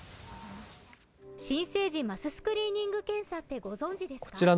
新生児マススクリーニング検査ってご存じですか？